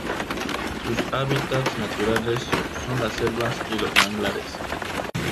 Sus hábitats naturales son las selvas y los manglares.